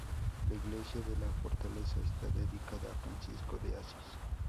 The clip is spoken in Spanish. La iglesia de la fortaleza está dedicada a "Francisco de Asís".